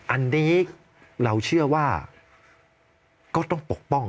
อันนี้เราเชื่อว่าก็ต้องปกป้อง